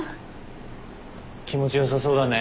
気持ち良さそうだね。